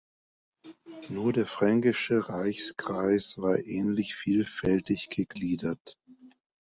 Nur der Fränkische Reichskreis war ähnlich vielfältig gegliedert.